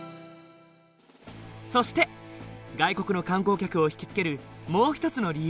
そして外国の観光客を引き付けるもう一つの理由